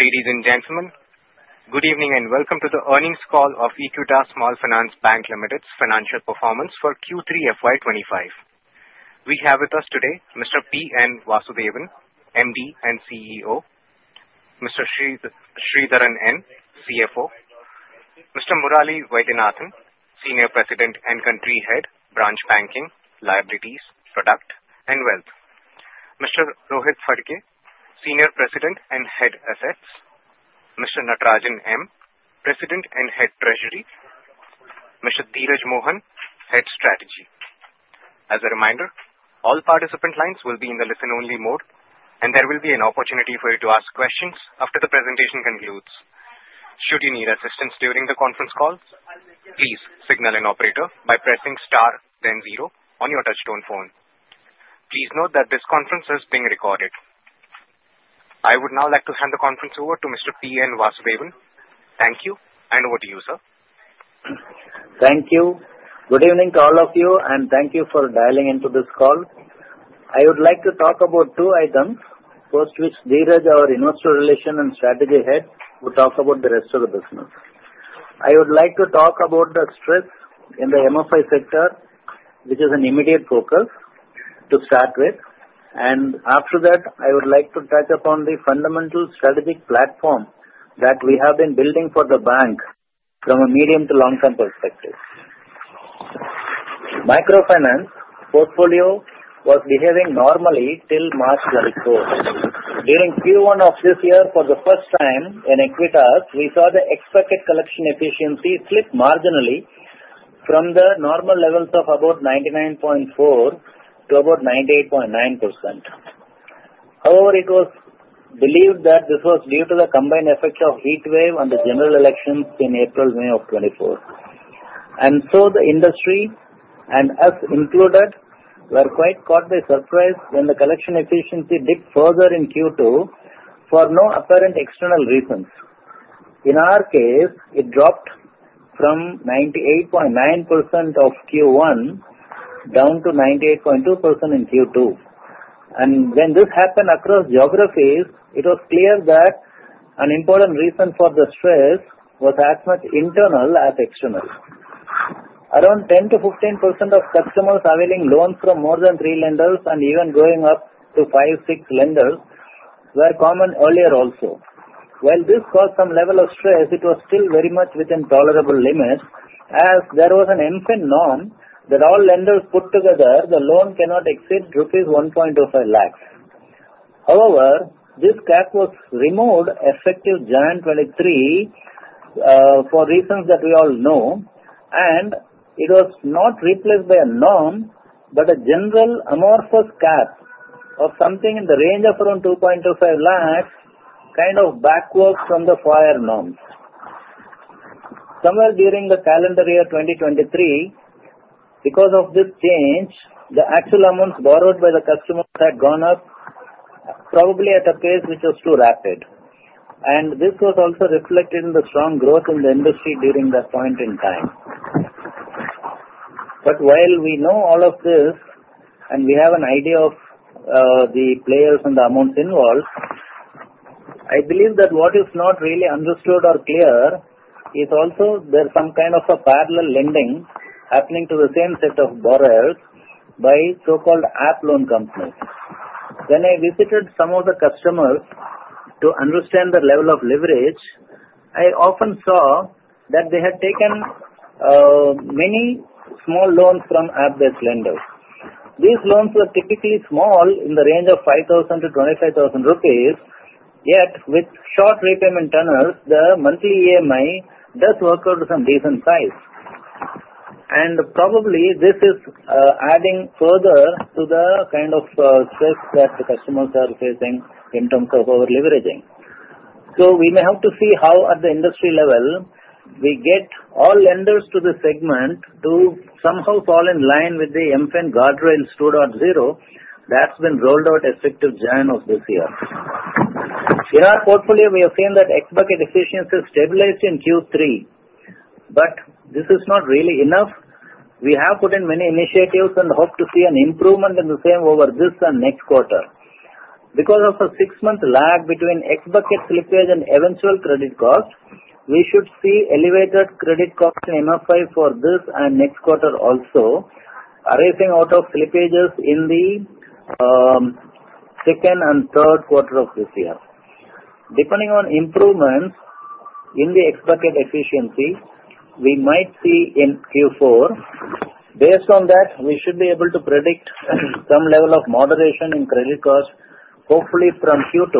Ladies and gentlemen, good evening and welcome to the earnings call of Equitas Small Finance Bank Limited's financial performance for Q3 FY2025. We have with us today Mr. P. N. Vasudevan, MD and CEO. Mr. Sridharan N., CFO. Mr. Murali Vaidyanathan, Senior President and Country Head, Branch Banking, Liabilities, Product, and Wealth. Mr. Rohit Phadke, Senior President and Head Assets. Mr. Natarajan M., President and Head Treasury. Mr. Dheeraj Mohan, Head Strategy. As a reminder, all participant lines will be in the listen-only mode, and there will be an opportunity for you to ask questions after the presentation concludes. Should you need assistance during the conference call, please signal an operator by pressing star, then zero, on your touch-tone phone. Please note that this conference is being recorded. I would now like to hand the conference over to Mr. P. N. Vasudevan. Thank you, and over to you, sir. Thank you. Good evening to all of you, and thank you for dialing into this call. I would like to talk about two items. First, which Dheeraj, our Investor Relations and Strategy Head, will talk about the rest of the business. I would like to talk about the stress in the MFI sector, which is an immediate focus to start with, and after that, I would like to touch upon the fundamental strategic platform that we have been building for the bank from a medium- to long-term perspective. Microfinance portfolio was behaving normally till March 2024. During Q1 of this year, for the first time in Equitas, we saw the X bucket collection efficiency slip marginally from the normal levels of about 99.4% to about 98.9%. However, it was believed that this was due to the combined effects of heatwave and the General Elections in April, May of 2024. And so the industry, and us included, were quite caught by surprise when the collection efficiency dipped further in Q2 for no apparent external reasons. In our case, it dropped from 98.9% of Q1 down to 98.2% in Q2. And when this happened across geographies, it was clear that an important reason for the stress was as much internal as external. Around 10%-15% of customers availing loans from more than three lenders, and even going up to five, six lenders, were common earlier also. While this caused some level of stress, it was still very much within tolerable limits, as there was an income norm that all lenders put together the loan cannot exceed rupees 1.25 lakh. However, this cap was removed effective January 2023 for reasons that we all know, and it was not replaced by a norm, but a general amorphous cap of something in the range of around 2.25 lakh, kind of backwards from the prior norms. Somewhere during the calendar year 2023, because of this change, the actual amounts borrowed by the customers had gone up probably at a pace which was too rapid, and this was also reflected in the strong growth in the industry during that point in time. But while we know all of this and we have an idea of the players and the amounts involved, I believe that what is not really understood or clear is also there's some kind of a parallel lending happening to the same set of borrowers by so-called app loan companies. When I visited some of the customers to understand the level of leverage, I often saw that they had taken many small loans from app-based lenders. These loans were typically small in the range of 5,000-25,000 rupees, yet with short repayment terms, the monthly EMI does work out to some decent size. And probably this is adding further to the kind of stress that the customers are facing in terms of over-leveraging. So we may have to see how at the industry level we get all lenders to the segment to somehow fall in line with the MFIN guardrails 2.0 that's been rolled out effective January of this year. In our portfolio, we have seen that X bucket efficiency stabilized in Q3, but this is not really enough. We have put in many initiatives and hope to see an improvement in the same over this and next quarter. Because of a six-month lag between X bucket slippage and eventual credit cost, we should see elevated credit cost in MFI for this and next quarter also, arising out of slippages in the second and third quarter of this year. Depending on improvements in the X bucket efficiency, we might see in Q4. Based on that, we should be able to predict some level of moderation in credit cost, hopefully from Q2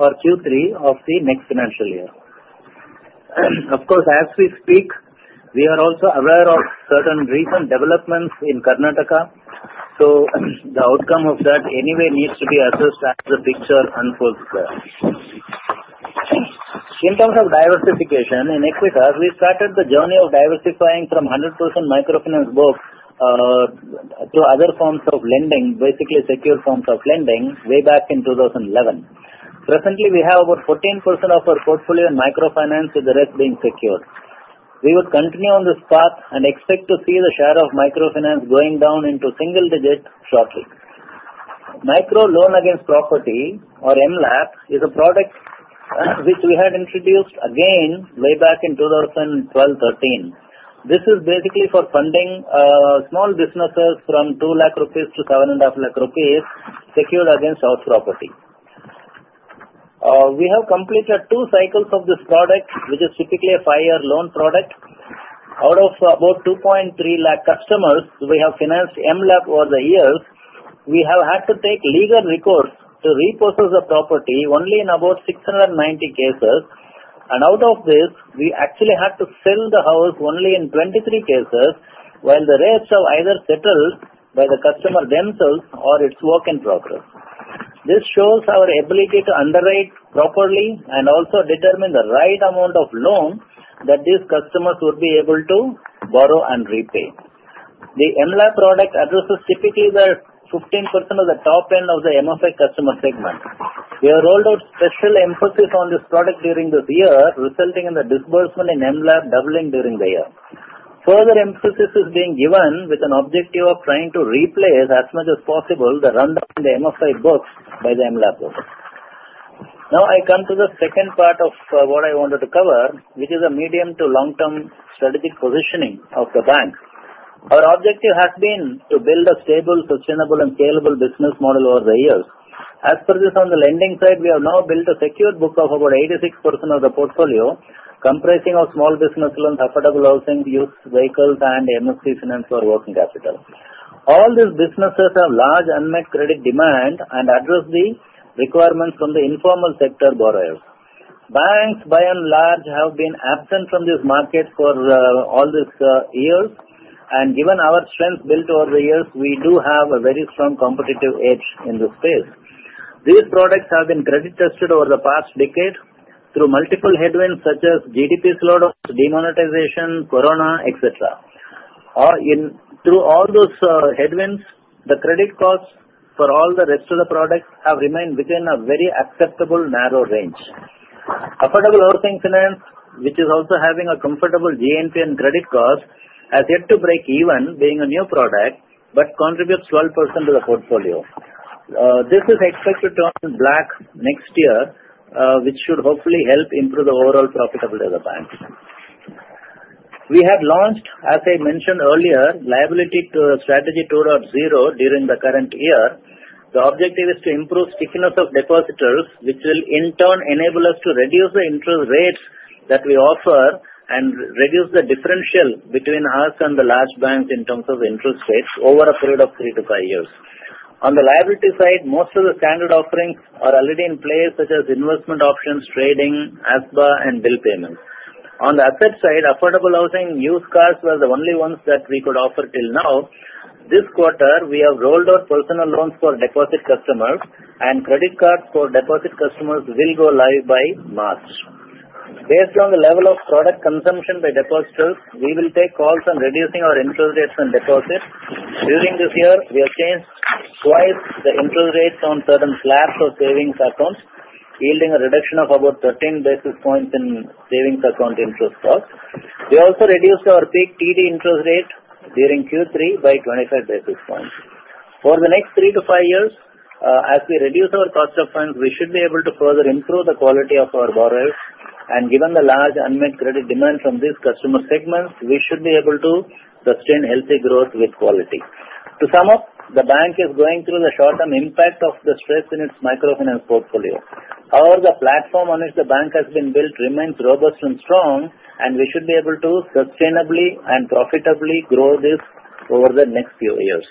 or Q3 of the next financial year. Of course, as we speak, we are also aware of certain recent developments in Karnataka, so the outcome of that anyway needs to be assessed as the picture unfolds there. In terms of diversification in Equitas, we started the journey of diversifying from 100% Microfinance both to other forms of lending, basically secure forms of lending, way back in 2011. Presently, we have over 14% of our portfolio in Microfinance, with the rest being secured. We would continue on this path and expect to see the share of Microfinance going down into single digits shortly. Micro Loan Against Property, or MLAP, is a product which we had introduced again way back in 2012-2013. This is basically for funding small businesses from 2 lakh rupees to 7.5 lakh rupees secured against house property. We have completed two cycles of this product, which is typically a five-year loan product. Out of about 2.3 lakh customers we have financed MLAP over the years, we have had to take legal recourse to repossess the property only in about 690 cases, and out of this, we actually had to sell the house only in 23 cases, while the rest have either settled by the customer themselves or it's work in progress. This shows our ability to underwrite properly and also determine the right amount of loan that these customers would be able to borrow and repay. The MLAP product addresses typically the 15% of the top end of the MFI customer segment. We have rolled out special emphasis on this product during this year, resulting in the disbursement in MLAP doubling during the year. Further emphasis is being given with an objective of trying to replace as much as possible the rundown in the MFI books by the MLAP book. Now I come to the second part of what I wanted to cover, which is a medium to long-term strategic positioning of the bank. Our objective has been to build a stable, sustainable, and scalable business model over the years. As per this on the lending side, we have now built a secure book of about 86% of the portfolio, comprising of Small Business Loans, Affordable Housing, used vehicles, and MSE finance for working capital. All these businesses have large unmet credit demand and address the requirements from the informal sector borrowers. Banks, by and large, have been absent from this market for all these years, and given our strength built over the years, we do have a very strong competitive edge in this space. These products have been credit tested over the past decade through multiple headwinds such as GDP slowdown, demonetization, Corona, etc. Through all those headwinds, the credit costs for all the rest of the products have remained within a very acceptable narrow range. Affordable Housing Finance, which is also having a comfortable GNPA and credit cost, has yet to breakeven, being a new product, but contributes 12% to the portfolio. This is expected to turn black next year, which should hopefully help improve the overall profitability of the bank. We have launched, as I mentioned earlier, liability strategy 2.0 during the current year. The objective is to improve stickiness of depositors, which will in turn enable us to reduce the interest rates that we offer and reduce the differential between us and the large banks in terms of interest rates over a period of three to five years. On the liability side, most of the standard offerings are already in place, such as investment options, trading, ASBA, and bill payments. On the asset side, Affordable Housing, Used Cars were the only ones that we could offer till now. This quarter, we have rolled out personal loans for deposit customers, and credit cards for deposit customers will go live by March. Based on the level of product consumption by depositors, we will take calls on reducing our interest rates on deposits. During this year, we have changed twice the interest rates on certain fixed or savings accounts, yielding a reduction of about 13 basis points in savings account interest cost. We also reduced our peak TD interest rate during Q3 by 25 basis points. For the next three to five years, as we reduce our cost of funds, we should be able to further improve the quality of our borrowers. And given the large unmet credit demand from these customer segments, we should be able to sustain healthy growth with quality. To sum up, the bank is going through the short-term impact of the stress in its Microfinance portfolio. However, the platform on which the bank has been built remains robust and strong, and we should be able to sustainably and profitably grow this over the next few years.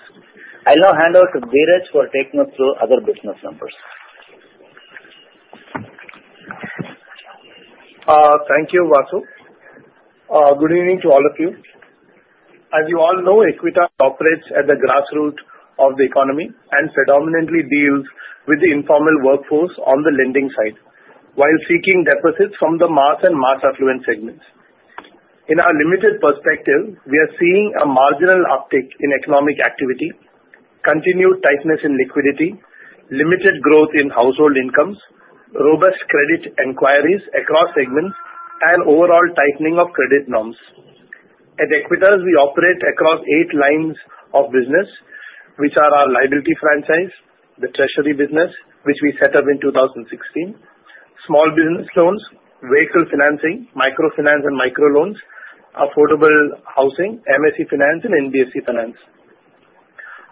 I'll now hand over to Dheeraj for taking us through other business numbers. Thank you, Vasu. Good evening to all of you. As you all know, Equitas operates at the grassroots of the economy and predominantly deals with the informal workforce on the lending side while seeking deposits from the mass and mass affluent segments. In our limited perspective, we are seeing a marginal uptick in economic activity, continued tightness in liquidity, limited growth in household incomes, robust credit inquiries across segments, and overall tightening of credit norms. At Equitas, we operate across eight lines of business, which are our liability franchise, the treasury business, which we set up in 2016, Small Business Loans, Vehicle Financing, Microfinance and micro loans, Affordable Housing, MSE finance, and NBFC finance.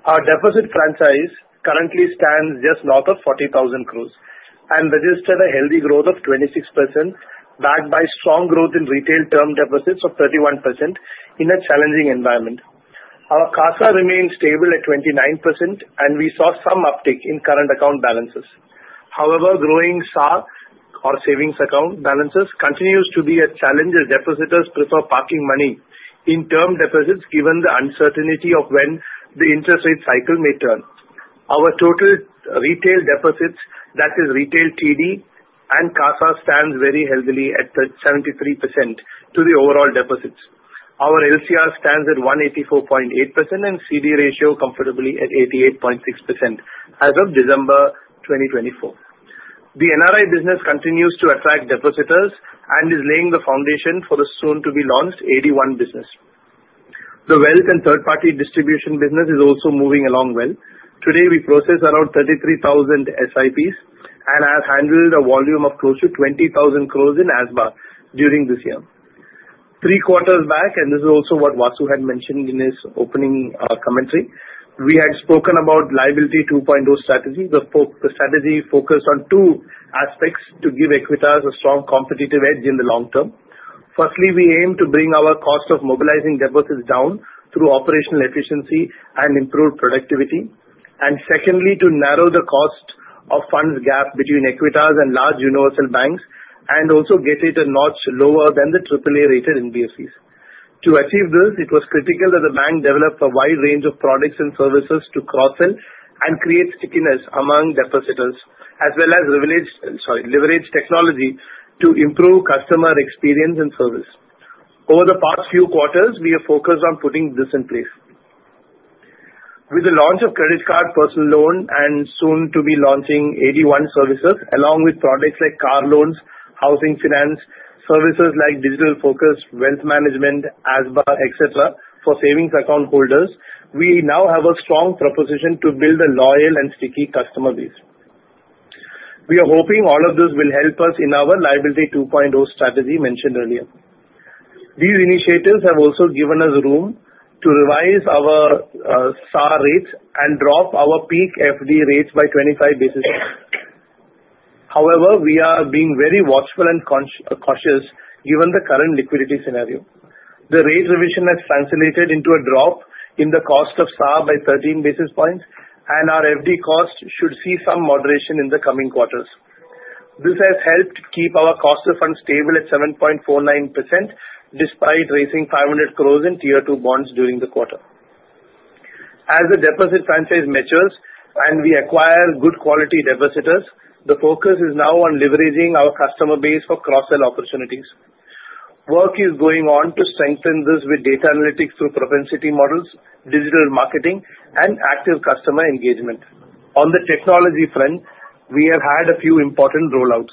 Our deposit franchise currently stands just north of 40,000 crores and registered a healthy growth of 26%, backed by strong growth in retail term deposits of 31% in a challenging environment. Our CASA remains stable at 29%, and we saw some uptick in current account balances. However, growing SA, or savings account balances, continues to be a challenge as depositors prefer parking money in term deposits given the uncertainty of when the interest rate cycle may turn. Our total retail deposits, that is retail TD and CASA, stand very healthy at 73% to the overall deposits. Our LCR stands at 184.8% and CD ratio comfortably at 88.6% as of December 2024. The NRI business continues to attract depositors and is laying the foundation for the soon-to-be-launched AD-I business. The wealth and third-party distribution business is also moving along well. Today, we process around 33,000 SIPs and have handled a volume of close to 20,000 crore in ASBA during this year. Three quarters back, and this is also what Vasu had mentioned in his opening commentary, we had spoken about liability 2.0 strategy. The strategy focused on two aspects to give Equitas a strong competitive edge in the long term. Firstly, we aim to bring our cost of mobilizing deposits down through operational efficiency and improved productivity, and secondly, to narrow the cost of funds gap between Equitas and large universal banks and also get it a notch lower than the AAA-rated NBFCs. To achieve this, it was critical that the bank develop a wide range of products and services to cross-sell and create stickiness among depositors, as well as leverage technology to improve customer experience and service. Over the past few quarters, we have focused on putting this in place. With the launch of credit card personal loan and soon-to-be-launching AD-I services, along with products like car loans, housing finance, services like digital focus, wealth management, ASBA, etc., for savings account holders, we now have a strong proposition to build a loyal and sticky customer base. We are hoping all of this will help us in our liability 2.0 strategy mentioned earlier. These initiatives have also given us room to revise our SA rates and drop our peak FD rates by 25 basis points. However, we are being very watchful and cautious given the current liquidity scenario. The rate revision has translated into a drop in the cost of SA by 13 basis points, and our FD cost should see some moderation in the coming quarters. This has helped keep our cost of funds stable at 7.49% despite raising 500 crores in Tier 2 bonds during the quarter. As the deposit franchise matures and we acquire good quality depositors, the focus is now on leveraging our customer base for cross-sell opportunities. Work is going on to strengthen this with data analytics through propensity models, digital marketing, and active customer engagement. On the technology front, we have had a few important rollouts.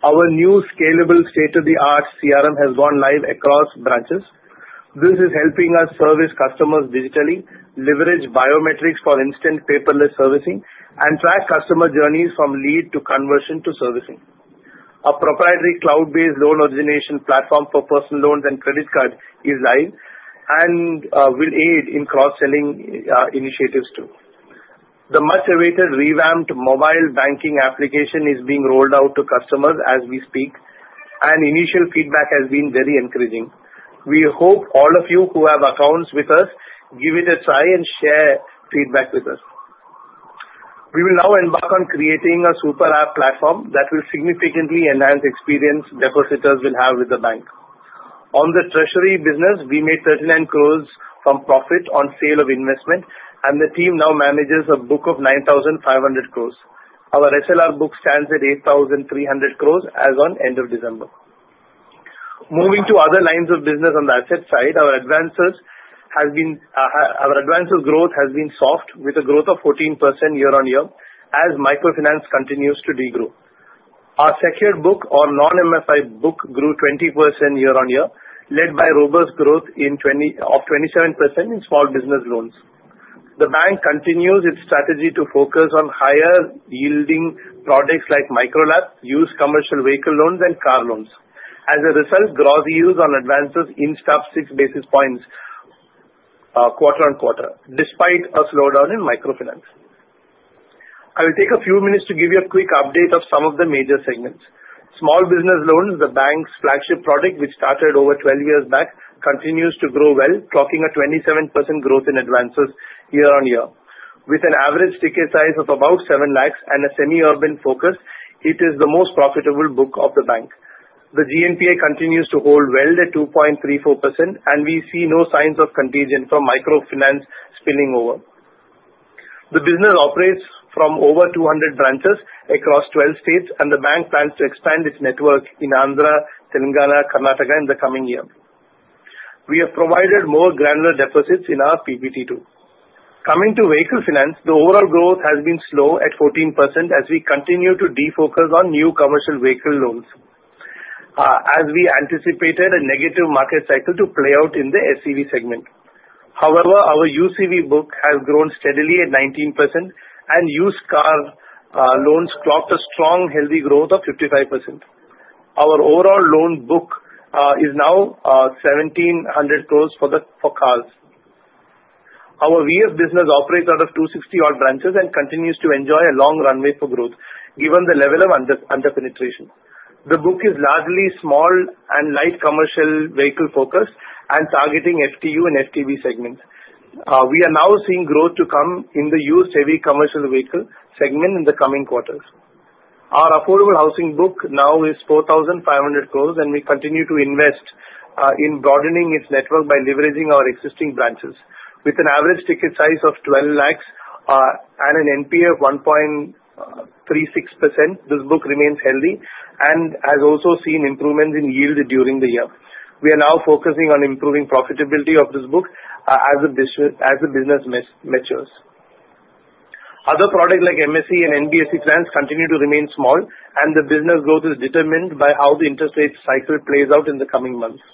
Our new scalable state-of-the-art CRM has gone live across branches. This is helping us service customers digitally, leverage biometrics for instant paperless servicing, and track customer journeys from lead to conversion to servicing. A proprietary cloud-based loan origination platform for personal loans and credit cards is live and will aid in cross-selling initiatives too. The much-awaited revamped mobile banking application is being rolled out to customers as we speak, and initial feedback has been very encouraging. We hope all of you who have accounts with us give it a try and share feedback with us. We will now embark on creating a super app platform that will significantly enhance the experience depositors will have with the bank. On the treasury business, we made 39 crores from profit on sale of investment, and the team now manages a book of 9,500 crores. Our SLR book stands at 8,300 crores as of end of December. Moving to other lines of business on the asset side, our advances growth has been soft with a growth of 14% year-on-year as Microfinance continues to regrow. Our secured book or non-MFI book grew 20% year-on-year, led by robust growth of 27% in Small Business Loans. The bank continues its strategy to focus on higher-yielding products like Micro LAP, Used Commercial Vehicle loans, and car loans. As a result, gross yields on advances increased six basis points quarter-on-quarter, despite a slowdown in Microfinance. I will take a few minutes to give you a quick update of some of the major segments. Small Business Loans, the bank's flagship product, which started over 12 years back, continues to grow well, clocking a 27% growth in advances year-on-year. With an average ticket size of about 7 lakh and a semi-urban focus, it is the most profitable book of the bank. The GNPA continues to hold well at 2.34%, and we see no signs of contagion from Microfinance spilling over. The business operates from over 200 branches across 12 states, and the bank plans to expand its network in Andhra, Telangana, and Karnataka in the coming year. We have provided more granular deposits in our PPT too. Coming to Vehicle Finance, the overall growth has been slow at 14% as we continue to defocus on new commercial vehicle loans. As we anticipated a negative market cycle to play out in the SCV segment. However, our UCV book has grown steadily at 19%, and Used Car loans clocked a strong, healthy growth of 55%. Our overall loan book is now 1,700 crores for cars. Our VF business operates out of 260-odd branches and continues to enjoy a long runway for growth given the level of under-penetration. The book is largely small and light commercial vehicle focused and targeting FTU and FTB segments. We are now seeing growth to come in the used heavy commercial vehicle segment in the coming quarters. Our Affordable Housing book now is 4,500 crores, and we continue to invest in broadening its network by leveraging our existing branches. With an average ticket size of 12 lakh and an NPA of 1.36%, this book remains healthy and has also seen improvements in yield during the year. We are now focusing on improving profitability of this book as the business matures. Other products like MSE and NBFC finance continue to remain small, and the business growth is determined by how the interest rate cycle plays out in the coming months.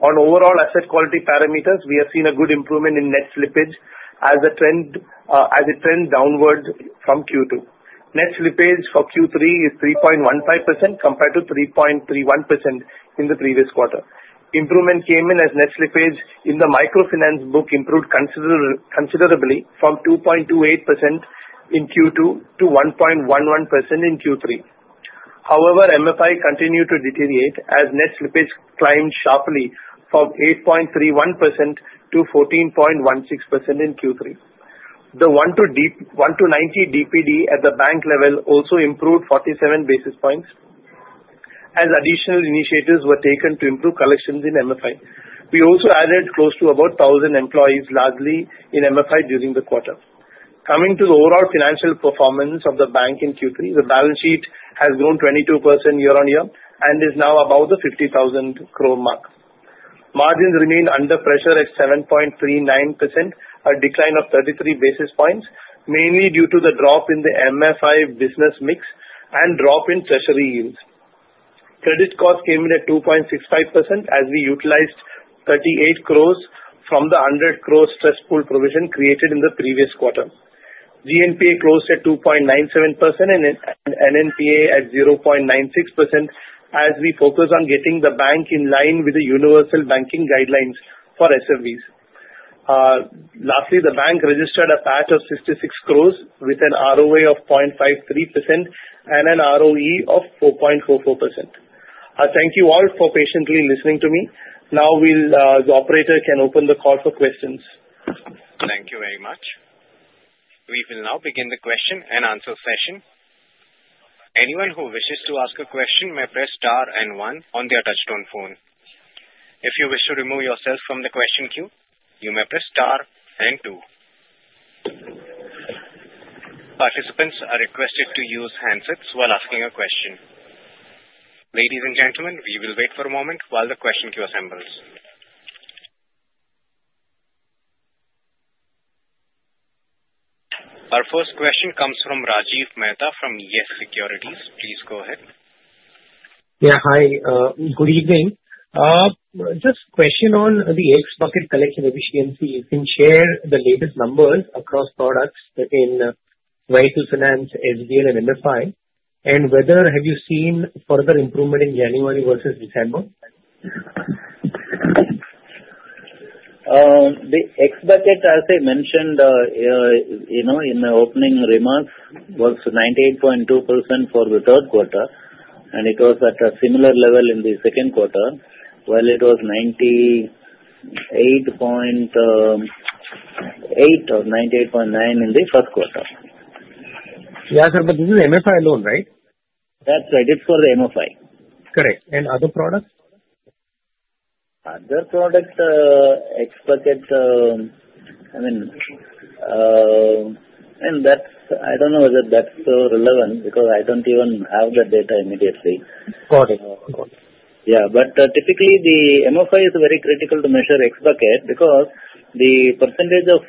On overall asset quality parameters, we have seen a good improvement in net slippage as a trend downward from Q2. Net slippage for Q3 is 3.15% compared to 3.31% in the previous quarter. Improvement came in as net slippage in the Microfinance book improved considerably from 2.28% in Q2 to 1.11% in Q3. However, MFI continued to deteriorate as net slippage climbed sharply from 8.31% to 14.16% in Q3. The 1-90 DPD at the bank level also improved 47 basis points as additional initiatives were taken to improve collections in MFI. We also added close to about 1,000 employees largely in MFI during the quarter. Coming to the overall financial performance of the bank in Q3, the balance sheet has grown 22% year-on-year and is now above the 50,000 crore mark. Margins remain under pressure at 7.39%, a decline of 33 basis points, mainly due to the drop in the MFI business mix and drop in treasury yields. Credit cost came in at 2.65% as we utilized 38 crores from the 100 crores stressful provision created in the previous quarter. GNPA closed at 2.97% and NNPA at 0.96% as we focused on getting the bank in line with the universal banking guidelines for SMEs. Lastly, the bank registered a PAT of 66 crores with an ROA of 0.53% and an ROE of 4.44%. I thank you all for patiently listening to me. Now the operator can open the call for questions. Thank you very much. We will now begin the question and answer session. Anyone who wishes to ask a question may press star and one on their touch-tone phone. If you wish to remove yourself from the question queue, you may press star and two. Participants are requested to use handsets while asking a question. Ladies and gentlemen, we will wait for a moment while the question queue assembles. Our first question comes from Rajiv Mehta from YES Securities. Please go ahead. Yeah, hi. Good evening. Just a question on the X bucket collection efficiency. You can share the latest numbers across products in Vehicle Finance, SBL, and MFI, and whether have you seen further improvement in January versus December? The X bucket, as I mentioned in the opening remarks, was 98.2% for the third quarter, and it was at a similar level in the second quarter, while it was 98.8% or 98.9% in the first quarter. Yeah, sir, but this is MFI loan, right? That's right. It's for the MFI. Correct. And other products? Other products, X bucket, I mean, and that's. I don't know if that's relevant because I don't even have the data immediately. Got it. Got it. Yeah, but typically, the MFI is very critical to measure X bucket because the percentage of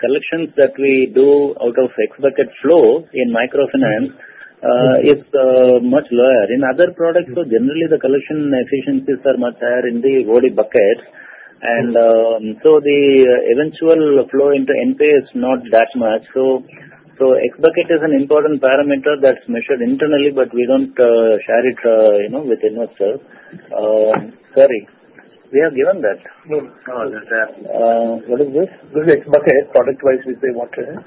collections that we do out of X bucket flow in Microfinance is much lower. In other products, generally, the collection efficiencies are much higher in the OD bucket, and so the eventual flow into NPA is not that much. So X bucket is an important parameter that's measured internally, but we don't share it within ourselves. Sorry, we have given that. Oh, that's there. What is this? This is X bucket. Product-wise, we say what it is.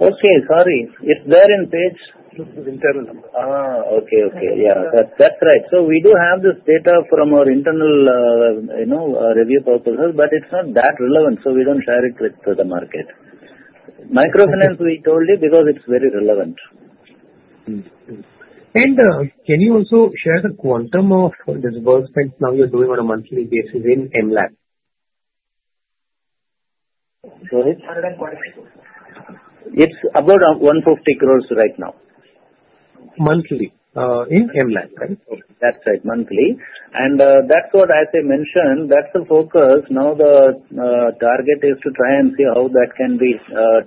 Okay, sorry. It's there in page. This is internal number. Okay, okay. Yeah, that's right. So we do have this data from our internal review purposes, but it's not that relevant, so we don't share it with the market. Microfinance, we told you because it's very relevant. Can you also share the quantum of this work that now you're doing on a monthly basis in MLAP? Sorry? It's about 150 crores right now. Monthly in MLAP, right? That's right, monthly, and that's what I mentioned. That's the focus. Now the target is to try and see how that can be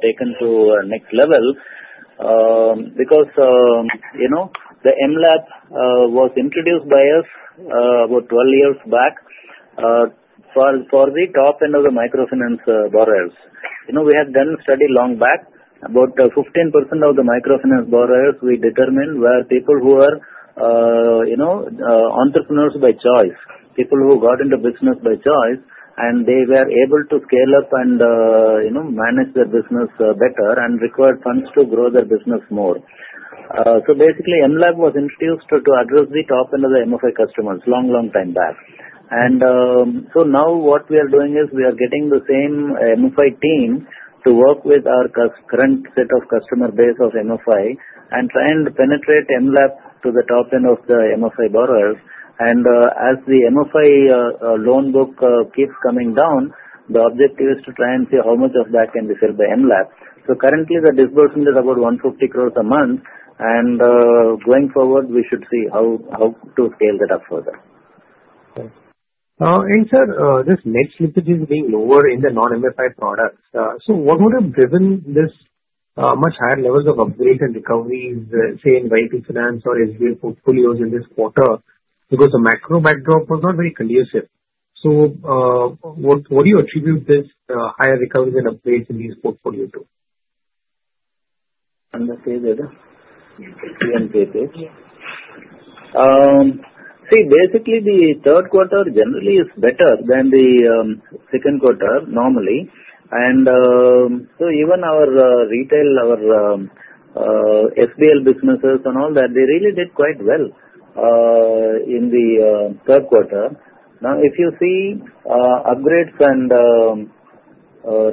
taken to the next level because the MLAP was introduced by us about 12 years back for the top end of the Microfinance borrowers. We had done a study long back. About 15% of the Microfinance borrowers, we determined were people who were entrepreneurs by choice, people who got into business by choice, and they were able to scale up and manage their business better and required funds to grow their business more. So basically, MLAP was introduced to address the top end of the MFI customers a long, long time back. So now what we are doing is we are getting the same MFI team to work with our current set of customer base of MFI and try and penetrate MLAP to the top end of the MFI borrowers. And as the MFI loan book keeps coming down, the objective is to try and see how much of that can be filled by MLAP. Currently, the disbursement is about 150 crores a month, and going forward, we should see how to scale that up further. Okay. And, sir, this net slippage is being lower in the non-MFI products. So what would have driven this much higher levels of upgrades and recoveries, say, in Vehicle Finance or SBL portfolios in this quarter? Because the macro backdrop was not very conducive. So what do you attribute this higher recovery and upgrades in these portfolios to? On the page, is it? See on the page. See, basically, the third quarter generally is better than the second quarter normally. And so even our retail, our SBL businesses and all that, they really did quite well in the third quarter. Now, if you see upgrades and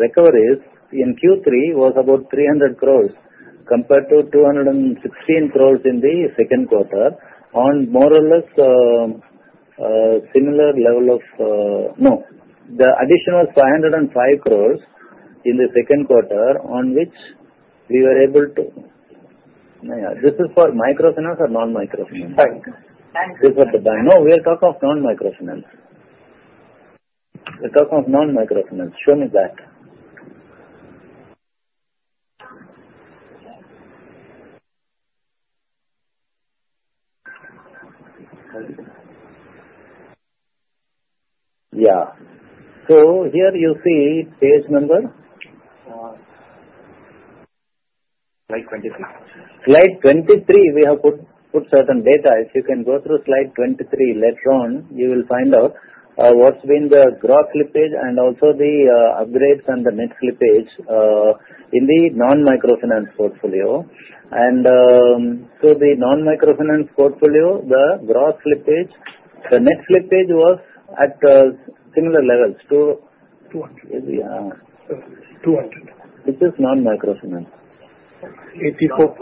recoveries, in Q3, it was about 300 crores compared to 216 crores in the second quarter on more or less similar level of, no, the additional 505 crores in the second quarter on which we were able to this is for Microfinance or non-Microfinance? Bank. This is for the bank. No, we are talking of non-Microfinance. We're talking of non-Microfinance. Show me that. Yeah. So, here you see page number. Slide 23. Slide 23, we have put certain data. If you can go through slide 23 later on, you will find out what's been the growth slippage and also the upgrades and the net slippage in the non-Microfinance portfolio. And so the non-Microfinance portfolio, the growth slippage, the net slippage was at similar levels to. 200. Yeah. 200. Which is non-Microfinance. 84.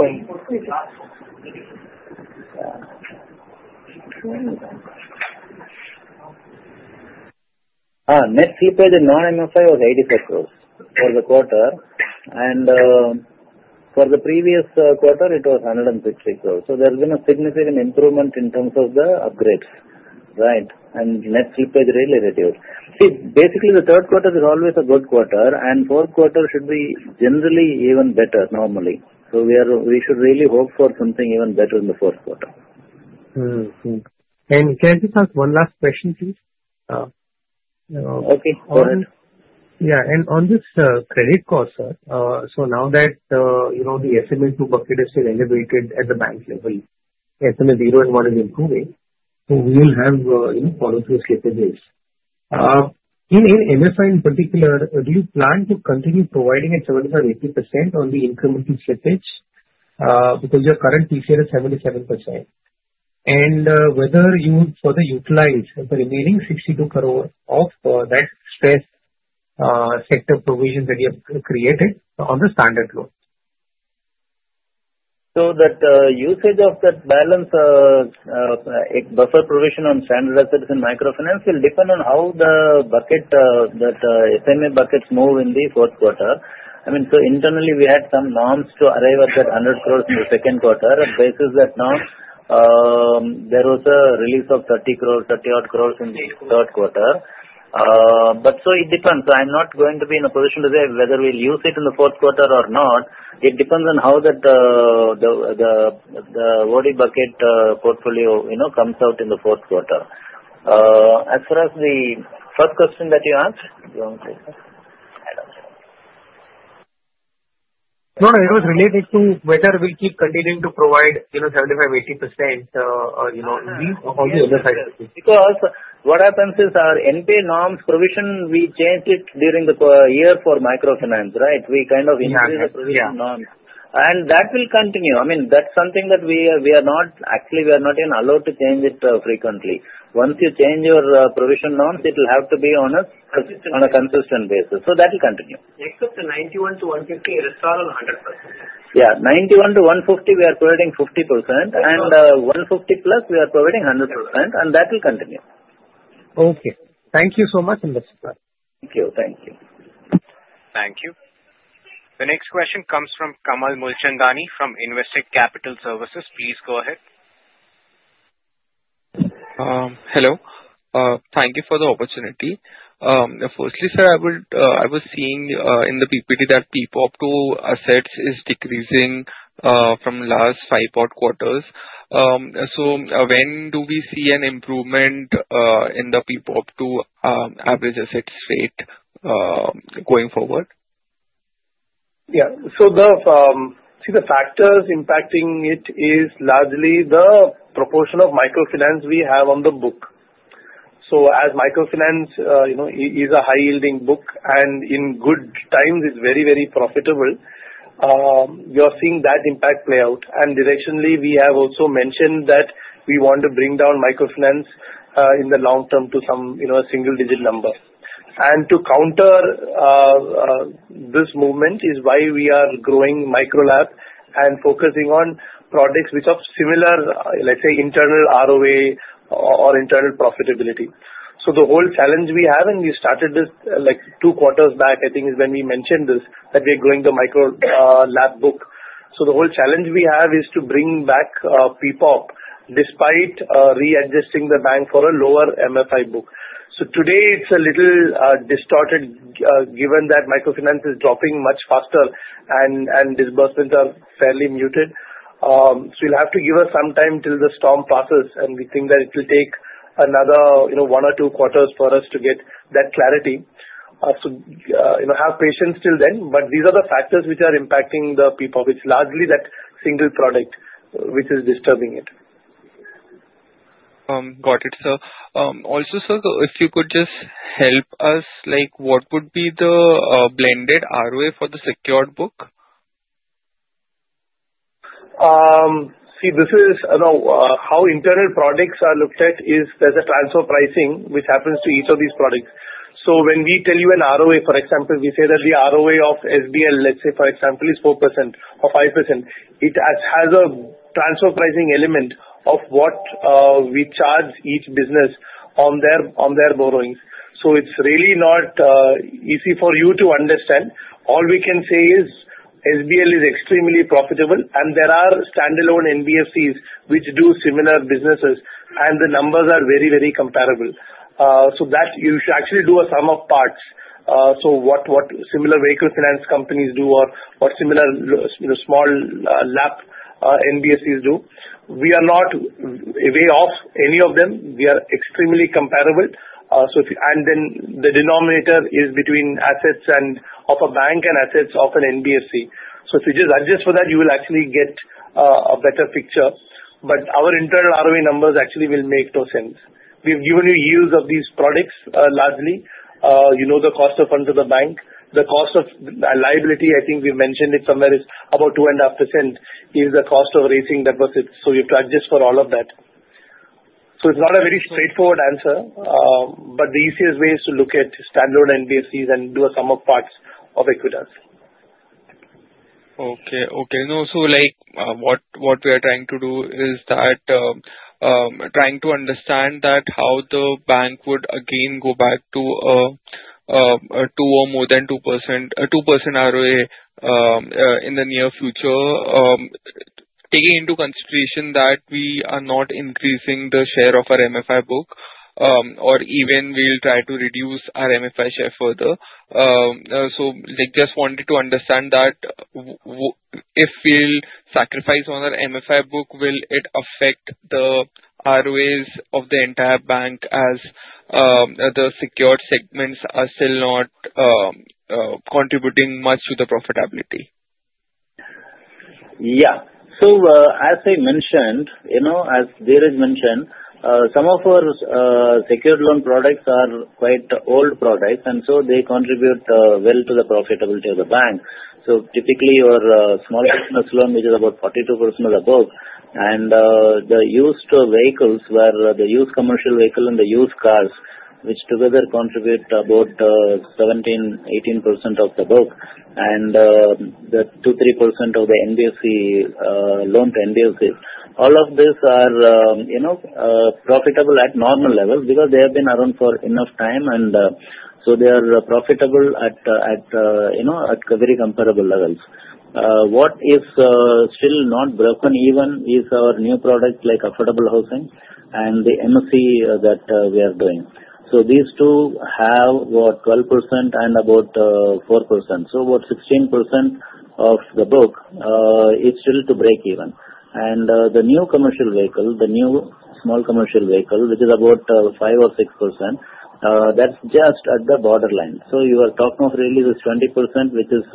Net Slippage in non-MFI was 84 crores for the quarter, and for the previous quarter, it was 150 crores. So there's been a significant improvement in terms of the upgrades. Right. And net slippage really reduced. See, basically, the third quarter is always a good quarter, and fourth quarter should be generally even better normally. So we should really hope for something even better in the fourth quarter. Can I just ask one last question, please? Okay, go ahead. Yeah. And on this credit cost, sir, so now that the SMA-2 bucket is still elevated at the bank level, SMA-0 and 1 is improving, so we will have follow-through slippages. In MFI in particular, do you plan to continue providing at 75%-80% on the incremental slippage? Because your current PCR is 77%, and whether you would further utilize the remaining 62 crores of that stress sector provision that you have created on the standard loan? So, that usage of that balance, a buffer provision on standard assets in Microfinance, will depend on how the bucket, that SMA buckets, move in the fourth quarter. I mean, so internally, we had some norms to arrive at that 100 crores in the second quarter. Based on that norm, there was a release of 30 crores, 30-odd crores in the third quarter. But, so it depends. I'm not going to be in a position to say whether we'll use it in the fourth quarter or not. It depends on how the OD bucket portfolio comes out in the fourth quarter. As far as the first question that you asked, do you want to take that? No, no. It was related to whether we keep continuing to provide 75%, 80% in these or the other side? Because what happens is our NPA norms provision, we changed it during the year for Microfinance, right? We kind of increased the provision norms, and that will continue. I mean, that's something that we are not actually, we are not even allowed to change it frequently. Once you change your provision norms, it will have to be on a consistent basis. So that will continue. Except the 91-150, it is still 100%. Yeah. 91 to 150, we are providing 50%, and 150 plus, we are providing 100%, and that will continue. Okay. Thank you so much, investors. Thank you. Thank you. Thank you. The next question comes from Kamal Mulchandani from Investec Capital Services. Please go ahead. Hello. Thank you for the opportunity. Firstly, sir, I was seeing in the PPT that PPOP to assets is decreasing from last five odd quarters. So when do we see an improvement in the PPOP to average assets rate going forward? Yeah. So see, the factors impacting it is largely the proportion of Microfinance we have on the book. So as Microfinance is a high-yielding book and in good times, it's very, very profitable, you're seeing that impact play out. And additionally, we have also mentioned that we want to bring down Microfinance in the long term to some single-digit number. And to counter this movement is why we are growing Micro LAP and focusing on products which have similar, let's say, internal ROA or internal profitability. So the whole challenge we have, and we started this two quarters back, I think, is when we mentioned this that we are growing the Micro LAP book. So the whole challenge we have is to bring back PPOP despite readjusting the bank for a lower MFI book. So today, it's a little distorted given that Microfinance is dropping much faster and disbursements are fairly muted. So you'll have to give us some time till the storm passes, and we think that it will take another one or two quarters for us to get that clarity. So have patience till then, but these are the factors which are impacting the PPOP, which is largely that single product which is disturbing it. Got it, sir. Also, sir, if you could just help us, what would be the blended ROA for the secured book? See, this is how internal products are looked at is there's a transfer pricing which happens to each of these products. So when we tell you an ROA, for example, we say that the ROA of SBL, let's say, for example, is 4% or 5%. It has a transfer pricing element of what we charge each business on their borrowings. So it's really not easy for you to understand. All we can say is SBL is extremely profitable, and there are standalone NBFCs which do similar businesses, and the numbers are very, very comparable. So you should actually do a sum of parts. So what similar Vehicle Finance companies do or similar small LAP or NBFCs do. We are not way off any of them. We are extremely comparable. And then the denominator is between assets of a bank and assets of an NBFC. So if you just adjust for that, you will actually get a better picture. But our internal ROA numbers actually will make no sense. We've given you years of these products largely. You know the cost of funds to the bank. The cost of liability, I think we mentioned it somewhere, is about 2.5% is the cost of raising deposits. So you have to adjust for all of that. So it's not a very straightforward answer, but the easiest way is to look at standalone NBFCs and do a sum of parts of Equitas. Okay. Okay. No, so what we are trying to do is that trying to understand how the bank would again go back to more than 2% ROA in the near future, taking into consideration that we are not increasing the share of our MFI book or even we'll try to reduce our MFI share further. So just wanted to understand that if we'll sacrifice one of our MFI book, will it affect the ROAs of the entire bank as the secured segments are still not contributing much to the profitability? Yeah. As I mentioned, as Dheeraj mentioned, some of our secured loan products are quite old products, and so they contribute well to the profitability of the bank. Typically, your small business loan, which is about 42% of the book, and the used vehicles were the used commercial vehicle and the used cars, which together contribute about 17%-18% of the book, and the 2-3% of the loan to NBFCs. All of these are profitable at normal levels because they have been around for enough time, and so they are profitable at very comparable levels. What is still not broken even is our new product like Affordable Housing and the MFI that we are doing. These two have about 12% and about 4%. About 16% of the book is still to breakeven. And the new commercial vehicle, the new small commercial vehicle, which is about 5% or 6%, that's just at the borderline. So you are talking of really this 20%, which is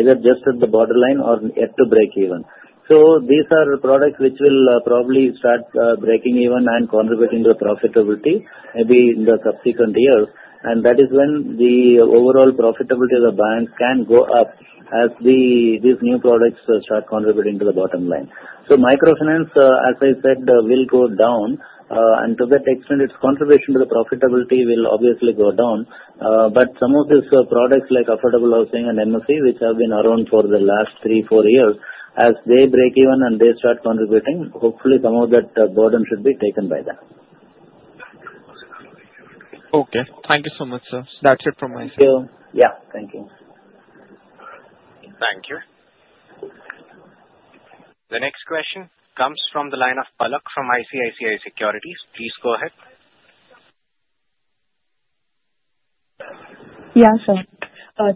either just at the borderline or yet to breakeven. So these are products which will probably start breaking even and contributing to the profitability maybe in the subsequent years. And that is when the overall profitability of the bank can go up as these new products start contributing to the bottom line. So Microfinance, as I said, will go down, and to that extent, its contribution to the profitability will obviously go down. But some of these products like Affordable Housing and MFC, which have been around for the last three, four years, as they breakeven and they start contributing, hopefully, some of that burden should be taken by that. Okay. Thank you so much, sir. That's it from my side. Thank you. Yeah. Thank you. Thank you. The next question comes from the line of Palak from ICICI Securities. Please go ahead. Yeah, sir.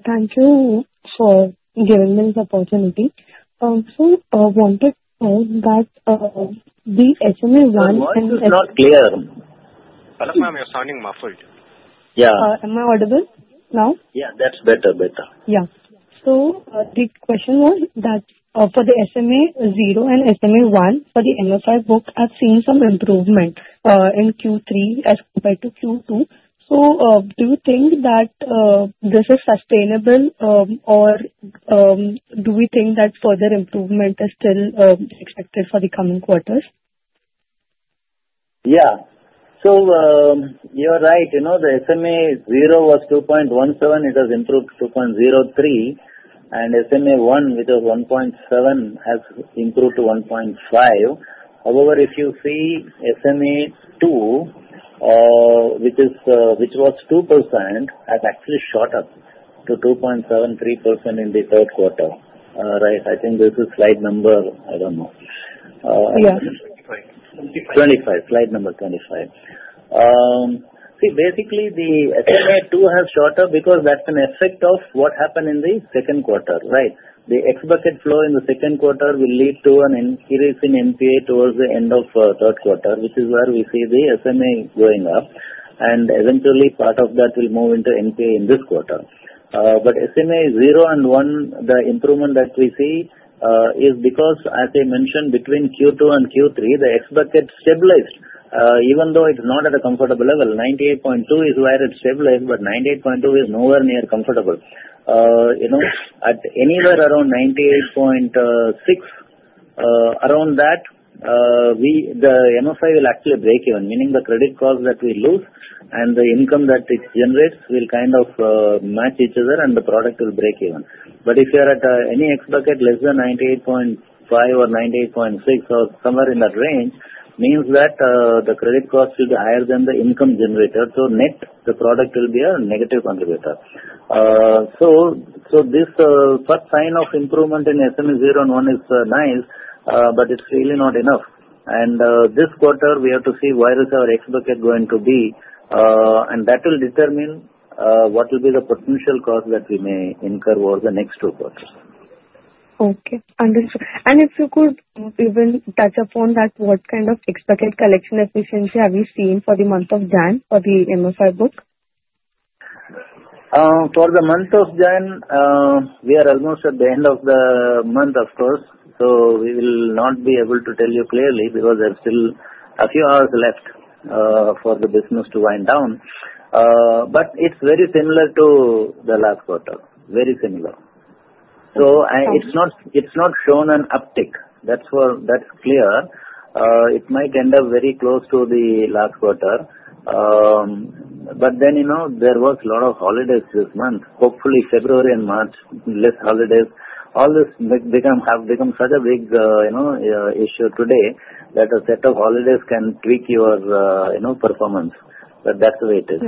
Thank you for giving me this opportunity. So I wanted to know that It's not clear. Palak ma'am, you're sounding muffled. Yeah. Am I audible now? Yeah. That's better, better. Yeah. So the question was that for the SMA-0 and SMA-1, for the MFI book, I've seen some improvement in Q3 as compared to Q2. So do you think that this is sustainable, or do we think that further improvement is still expected for the coming quarters? Yeah. So you're right. The SMA-0 was 2.17%. It has improved to 2.03%, and SMA-1, which was 1.7%, has improved to 1.5%. However, if you see SMA-2, which was 2%, has actually shot up to 2.73% in the third quarter. Right. I think this is slide number, I don't know. Yeah. 25. 25. Slide number 25. See, basically, the SMA-2 has shot up because that's an effect of what happened in the second quarter, right? The X bucket flow in the second quarter will lead to an increase in NPA towards the end of third quarter, which is where we see the SMA going up, and eventually, part of that will move into NPA in this quarter. But SMA-0 and SMA-1, the improvement that we see is because, as I mentioned, between Q2 and Q3, the X bucket stabilized. Even though it's not at a comfortable level, 98.2 is where it stabilized, but 98.2 is nowhere near comfortable. At anywhere around 98.6, around that, the MFI will actually breakeven, meaning the credit costs that we lose and the income that it generates will kind of match each other, and the product will breakeven. But if you're at any X bucket less than 98.5% or 98.6% or somewhere in that range, it means that the credit costs will be higher than the income generator. So net, the product will be a negative contributor. So this first sign of improvement in SMA-0 and SMA-1 is nice, but it's really not enough. And this quarter, we have to see where is our X bucket going to be, and that will determine what will be the potential cost that we may incur over the next two quarters. Okay. Understood. And if you could even touch upon that, what kind of X bucket efficiency have you seen for the month of January for the MFI book? For the month of January, we are almost at the end of the month, of course. So we will not be able to tell you clearly because there's still a few hours left for the business to wind down. But it's very similar to the last quarter. Very similar. So it's not shown an uptick. That's clear. It might end up very close to the last quarter. But then there was a lot of holidays this month. Hopefully, February and March, less holidays. All this has become such a big issue today that a set of holidays can tweak your performance. But that's the way it is.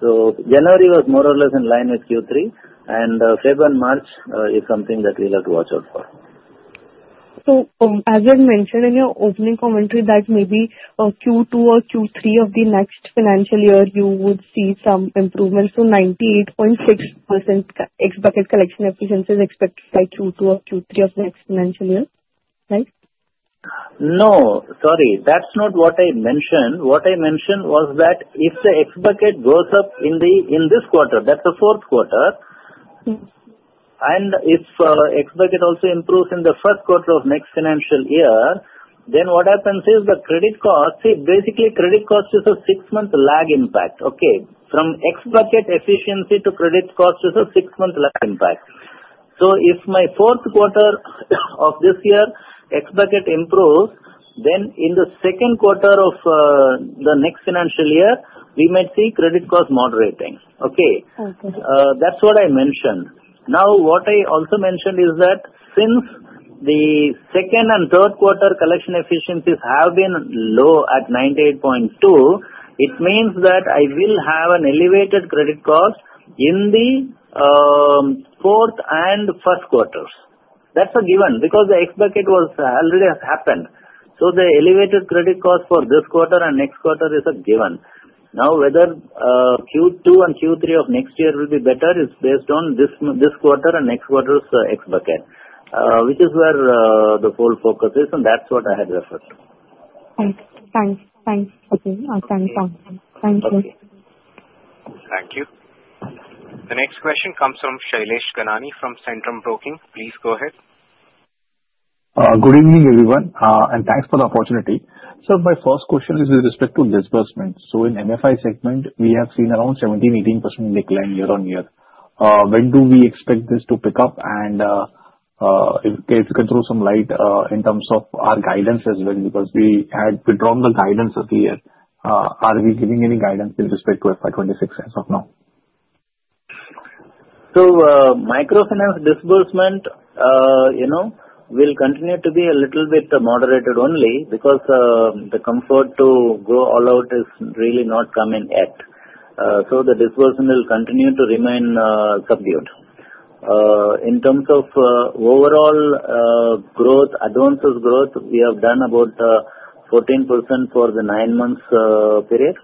So January was more or less in line with Q3, and February and March is something that we'll have to watch out for. So as you had mentioned in your opening commentary that maybe Q2 or Q3 of the next financial year, you would see some improvement. So 98.6% X bucket collection efficiency is expected by Q2 or Q3 of the next financial year, right? No. Sorry. That's not what I mentioned. What I mentioned was that if the X bucket goes up in this quarter, that's the fourth quarter, and if X bucket also improves in the first quarter of next financial year, then what happens is the credit costs see, basically, credit costs is a six-month lag impact. Okay. From X bucket efficiency to credit costs is a six-month lag impact. So if my fourth quarter of this year X bucket improves, then in the second quarter of the next financial year, we might see credit costs moderating. Okay. That's what I mentioned. Now, what I also mentioned is that since the second and third quarter collection efficiencies have been low at 98.2%, it means that I will have an elevated credit cost in the fourth and first quarters. That's a given because the X bucket has already happened. So the elevated credit costs for this quarter and next quarter is a given. Now, whether Q2 and Q3 of next year will be better is based on this quarter and next quarter's X bucket, which is where the full focus is, and that's what I had referred to. Thanks. Thanks. Okay. Thanks, sir. Thank you. Thank you. The next question comes from Shailesh Kanani from Centrum Broking. Please go ahead. Good evening, everyone, and thanks for the opportunity. Sir, my first question is with respect to disbursements. So in MFI segment, we have seen around 17%-18% decline year-on-year. When do we expect this to pick up? And if you can throw some light in terms of our guidance as well because we had withdrawn the guidance of the year. Are we giving any guidance with respect to FY26 as of now? So Microfinance disbursement will continue to be a little bit moderated only because the comfort to go all out is really not coming yet. So the disbursement will continue to remain subdued. In terms of overall growth, advanced growth, we have done about 14% for the nine-month period.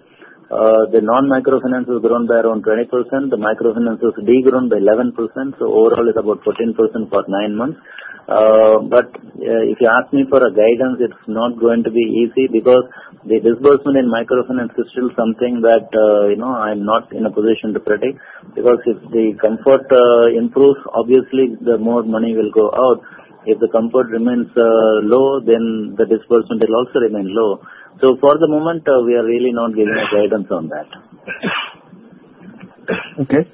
The non-Microfinance has grown by around 20%. The Microfinance has degrown by 11%. So overall, it's about 14% for nine months. But if you ask me for a guidance, it's not going to be easy because the disbursement in Microfinance is still something that I'm not in a position to predict because if the comfort improves, obviously, the more money will go out. If the comfort remains low, then the disbursement will also remain low. So for the moment, we are really not giving a guidance on that. Okay.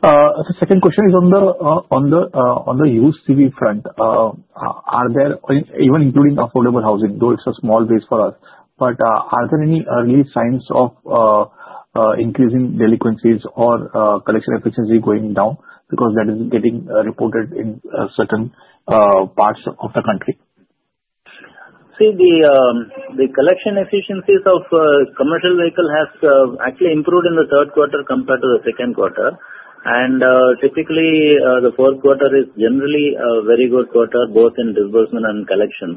The second question is on the UCV front. Even including Affordable Housing, though it's a small base for us, but are there any early signs of increasing delinquencies or collection efficiency going down because that is getting reported in certain parts of the country? See, the collection efficiencies of commercial vehicle has actually improved in the third quarter compared to the second quarter, and typically, the fourth quarter is generally a very good quarter, both in disbursement and collections,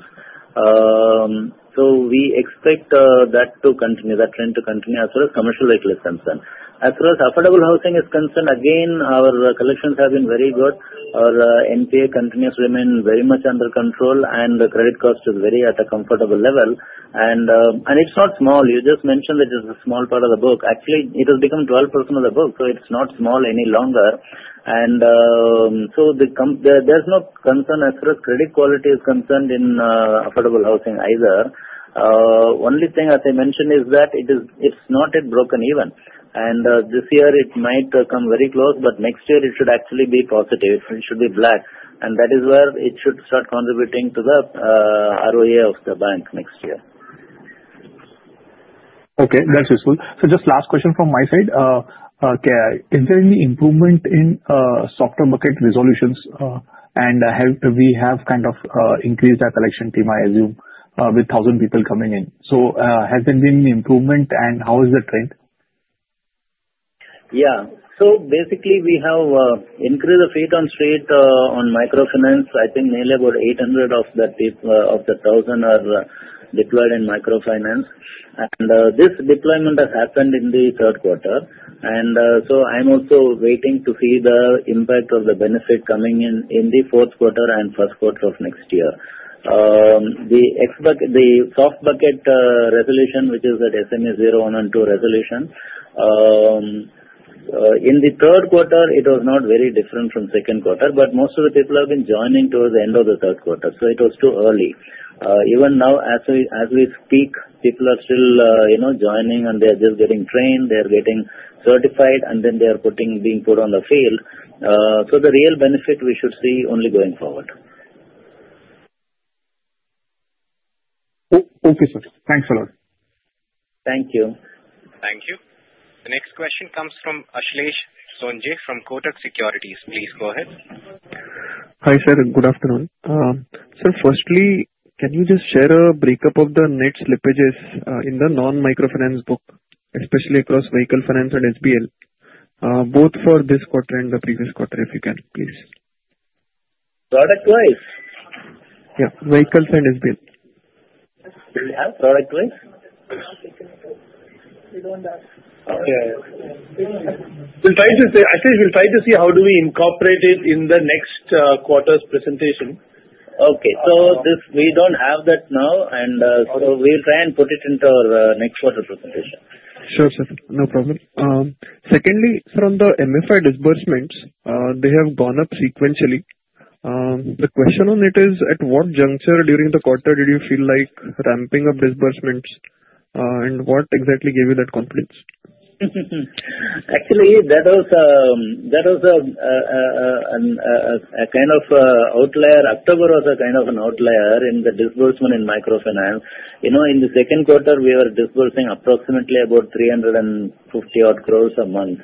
so we expect that to continue, that trend to continue as far as commercial vehicle is concerned. As far as Affordable Housing is concerned, again, our collections have been very good. Our NPA continues to remain very much under control, and the credit cost is very at a comfortable level, and it's not small. You just mentioned that it's a small part of the book. Actually, it has become 12% of the book, so it's not small any longer, and so there's no concern as far as credit quality is concerned in Affordable Housing either. Only thing I can mention is that it's not yet broken even. And this year, it might come very close, but next year, it should actually be positive. It should be black. And that is where it should start contributing to the ROE of the bank next year. Okay. That's useful. So just last question from my side. Is there any improvement in soft bucket resolutions? And we have kind of increased our collection team, I assume, with 1,000 people coming in. So has there been any improvement, and how is the trend? Yeah. So basically, we have increased the feet on street on Microfinance. I think nearly about 800 of the 1,000 are deployed in Microfinance. And this deployment has happened in the third quarter. And so I'm also waiting to see the impact of the benefit coming in the fourth quarter and first quarter of next year. The soft bucket resolution, which is at SMA-0 and SMA-1, and SMA-2 resolution, in the third quarter, it was not very different from second quarter, but most of the people have been joining towards the end of the third quarter. So it was too early. Even now, as we speak, people are still joining, and they are just getting trained. They are getting certified, and then they are being put on the field. So the real benefit we should see only going forward. Okay, sir. Thanks a lot. Thank you. Thank you. The next question comes from Ashlesh Sonje from Kotak Securities. Please go ahead. Hi, sir. Good afternoon. Sir, firstly, can you just share a breakup of the net slippages in the non-Microfinance book, especially across Vehicle Finance and SBL, both for this quarter and the previous quarter, if you can, please? Product-wise? Yeah. Vehicles and SBL. Do we have product-wise? Okay. We'll try to see how do we incorporate it in the next quarter's presentation. Okay. So we don't have that now, and so we'll try and put it into our next quarter presentation. Sure, sir. No problem. Secondly, sir, on the MFI disbursements, they have gone up sequentially. The question on it is, at what juncture during the quarter did you feel like ramping up disbursements, and what exactly gave you that confidence? Actually, that was a kind of outlier. October was a kind of an outlier in the disbursement in Microfinance. In the second quarter, we were disbursing approximately about 350-odd crores a month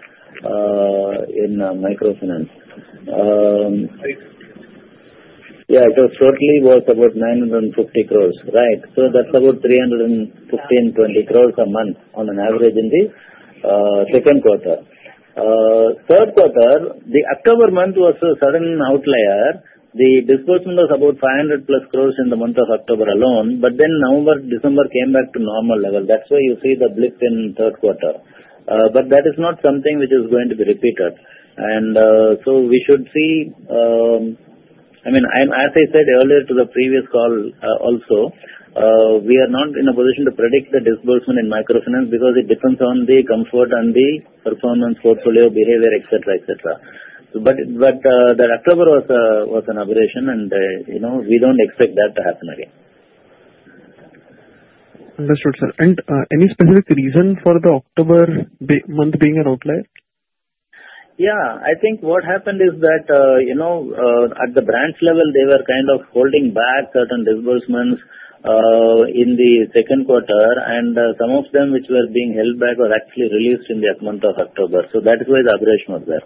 in Microfinance. Yeah. It was total worth about 950 crores. Right. So that's about 315-320 crores a month on an average in the second quarter. Third quarter, the October month was a sudden outlier. The disbursement was about 500-plus crores in the month of October alone, but then November, December came back to normal level. That's where you see the blip in third quarter. But that is not something which is going to be repeated. And so we should see I mean, as I said earlier to the previous call also, we are not in a position to predict the disbursement in Microfinance because it depends on the comfort and the performance portfolio behavior, etc., etc. But the October was an aberration, and we don't expect that to happen again. Understood, sir. And any specific reason for the October month being an outlier? Yeah. I think what happened is that at the branch level, they were kind of holding back certain disbursements in the second quarter, and some of them which were being held back were actually released in the month of October. So that is why the aberration was there.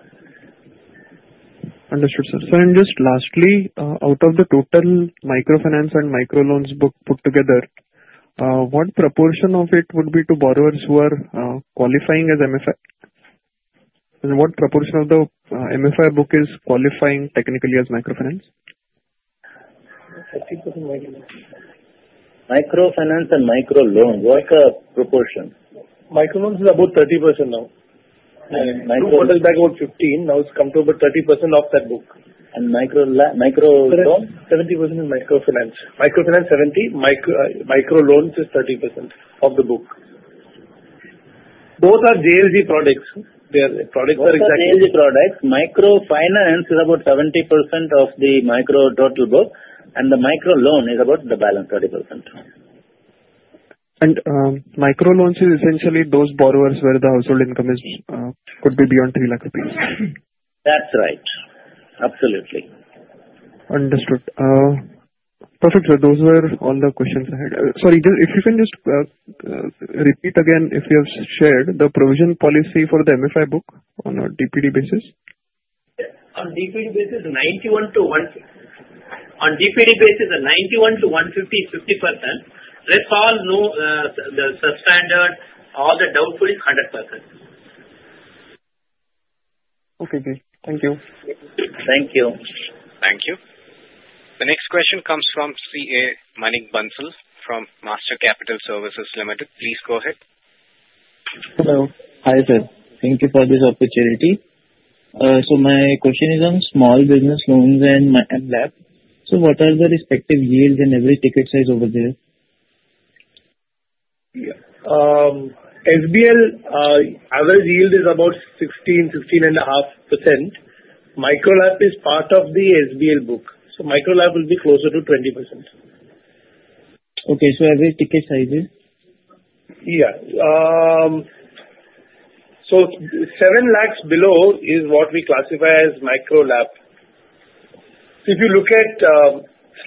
Understood, sir. So then just lastly, out of the total Microfinance and micro loans book put together, what proportion of it would be to borrowers who are qualifying as MFI? And what proportion of the MFI book is qualifying technically as Microfinance? Microfinance and micro loans. What's the proportion? Micro loans is about 30% now. Two quarters about 15%. Now it's come to about 30% of that book, and micro loans, 70% is Microfinance. Microfinance, 70%. Micro loans is 30% of the book. Both are JLG products. Their products are exactly. Both are JLG products. Microfinance is about 70% of the micro total book, and the microloan is about the balance, 30%. Micro loans is essentially those borrowers where the household income could be beyond 3 lakh rupees? That's right. Absolutely. Understood. Perfect, sir. Those were all the questions I had. Sorry. If you can just repeat again if you have shared the provision policy for the MFI book on a DPD basis? On DPD basis, 91-150. On DPD basis, 91-150 is 50%. Let's all know the substandard. All the doubtful is 100%. Okay. Great. Thank you. Thank you. Thank you. The next question comes from CA Manik Bansal from Master Capital Services Limited. Please go ahead. Hello. Hi, sir. Thank you for this opportunity. So my question is on Small Business Loans and MLAP. So what are the respective yields and average ticket size over there? SBL average yield is about 16%-16.5%. Micro LAP is part of the SBL book. So Micro LAP will be closer to 20%. Okay. So average ticket size is? Yeah. So 7 lakh below is what we classify as Micro LAP. If you look at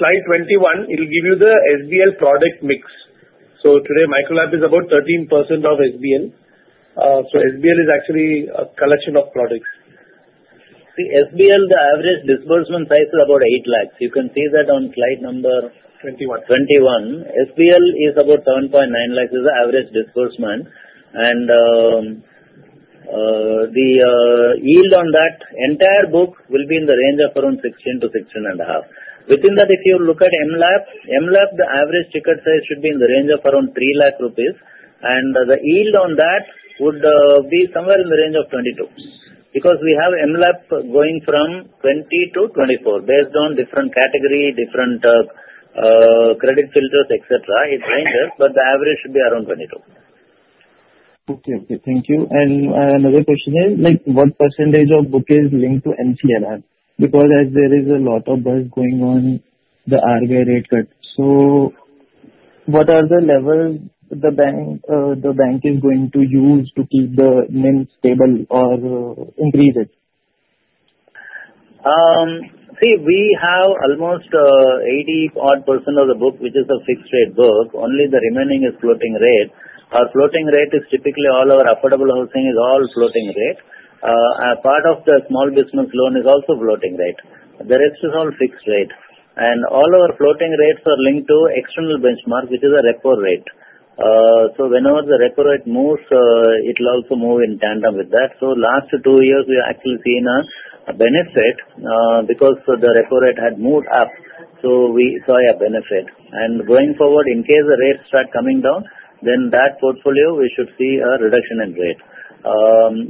slide 21, it will give you the SBL product mix. So today, Micro LAP is about 13% of SBL. So SBL is actually a collection of products. See, SBL, the average disbursement size is about 8 lakh. You can see that on slide number. 21. 21. SBL is about 7.9 lakh, which is the average disbursement. The yield on that entire book will be in the range of around 16%-16.5%. Within that, if you look at MLAP, MLAP, the average ticket size should be in the range of around 3 lakh rupees, and the yield on that would be somewhere in the range of 22% because we have MLAP going from 20%-24% based on different category, different credit filters, etc. It ranges, but the average should be around 22%. Okay. Thank you. And another question is, what percentage of book is linked to MCLR? Because as there is a lot of buzz going on the RBI rate cut, so what are the levels the bank is going to use to keep the NIM stable or increase it? See, we have almost 80-odd percent of the book, which is a fixed-rate book. Only the remaining is floating rate. Our floating rate is typically all our Affordable Housing is all floating rate. A part of the small business loan is also floating rate. The rest is all fixed rate. And all our floating rates are linked to external benchmark, which is a repo rate. So whenever the repo rate moves, it will also move in tandem with that. So last two years, we have actually seen a benefit because the repo rate had moved up. So we saw a benefit. And going forward, in case the rates start coming down, then that portfolio, we should see a reduction in rate.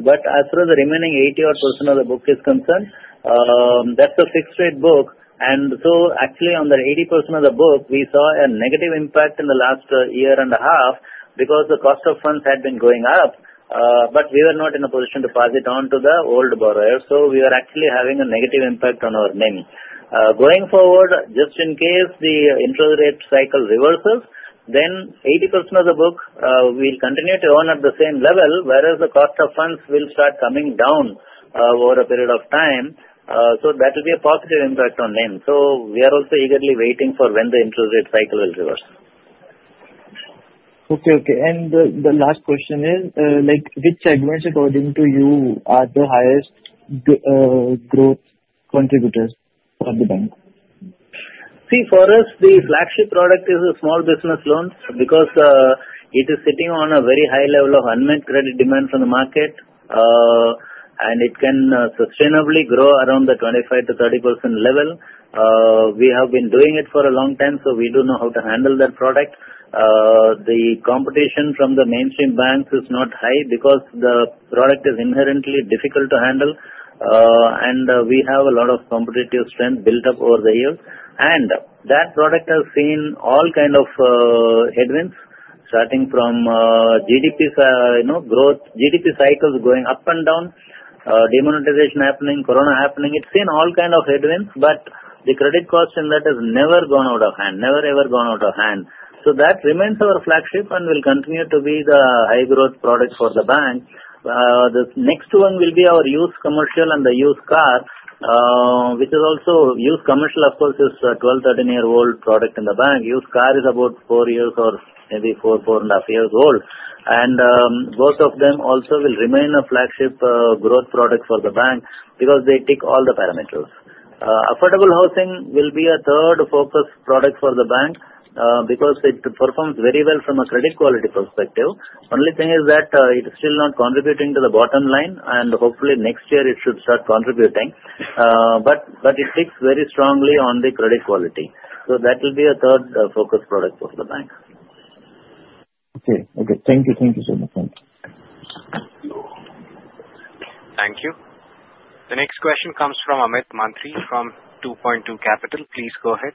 But as for the remaining 80-odd percent of the book is concerned, that's a fixed-rate book. And so actually, on the 80% of the book, we saw a negative impact in the last year and a half because the cost of funds had been going up, but we were not in a position to pass it on to the old borrower. So we were actually having a negative impact on our NIM. Going forward, just in case the interest rate cycle reverses, then 80% of the book, we'll continue to own at the same level, whereas the cost of funds will start coming down over a period of time. So that will be a positive impact on NIM. So we are also eagerly waiting for when the interest rate cycle will reverse. Okay. The last question is, which segments, according to you, are the highest growth contributors for the bank? See, for us, the flagship product is the Small Business Loans because it is sitting on a very high level of unmet credit demand from the market, and it can sustainably grow around the 25%-30% level. We have been doing it for a long time, so we do know how to handle that product. The competition from the mainstream banks is not high because the product is inherently difficult to handle, and we have a lot of competitive strength built up over the years. And that product has seen all kinds of headwinds, starting from GDP cycles going up and down, demonetization happening, Corona happening. It's seen all kinds of headwinds, but the credit cost in that has never gone out of hand, never ever gone out of hand. So that remains our flagship and will continue to be the high-growth product for the bank. The next one will be our Used Commercial and the Used Car, which is also Used Commercial, of course, is a 12 or 13-year-old product in the bank. Used car is about four years or maybe four, four and a half years old. And both of them also will remain a flagship growth product for the bank because they tick all the parameters. Affordable housing will be a third focus product for the bank because it performs very well from a credit quality perspective. Only thing is that it is still not contributing to the bottom line, and hopefully, next year, it should start contributing. But it ticks very strongly on the credit quality. So that will be a third focus product for the bank. Okay. Okay. Thank you. Thank you so much. Thank you. Thank you. The next question comes from Amit Mantri from 2Point2 Capital. Please go ahead.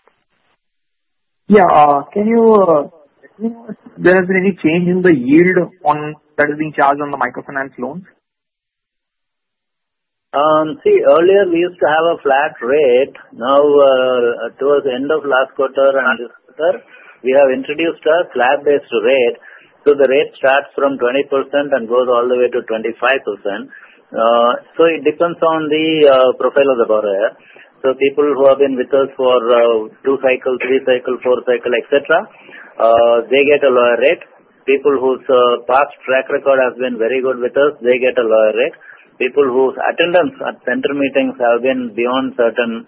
Yeah. Can you let me know if there has been any change in the yield that is being charged on the Microfinance loans? See, earlier, we used to have a flat rate. Now, towards the end of last quarter and this quarter, we have introduced a flat-based rate. So the rate starts from 20% and goes all the way to 25%. So it depends on the profile of the borrower. So people who have been with us for two cycles, three cycles, four cycles, etc., they get a lower rate. People whose past track record has been very good with us, they get a lower rate. People whose attendance at center meetings has been beyond certain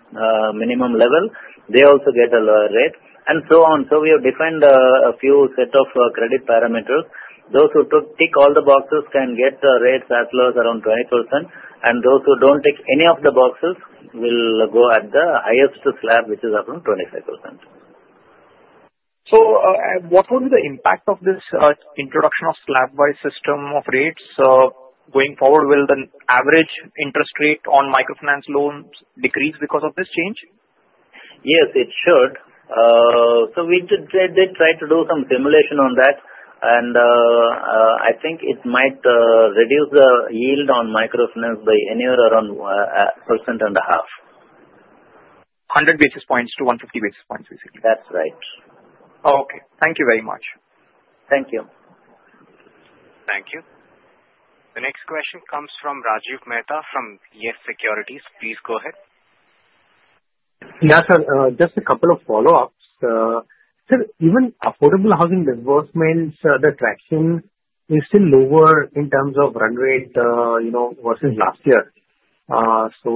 minimum level, they also get a lower rate. And so on. So we have defined a few sets of credit parameters. Those who tick all the boxes can get rates as low as around 20%, and those who don't tick any of the boxes will go at the highest slab, which is around 25%. So what will be the impact of this introduction of slab-wise system of rates? Going forward, will the average interest rate on Microfinance loans decrease because of this change? Yes, it should. So we did try to do some simulation on that, and I think it might reduce the yield on Microfinance by anywhere around 1.5%. 100-150 basis points, basically. That's right. Okay. Thank you very much. Thank you. Thank you. The next question comes from Rajiv Mehta from YES Securities. Please go ahead. Yeah, sir. Just a couple of follow-ups. Sir, even affordable housing disbursements, the traction is still lower in terms of run rate versus last year. So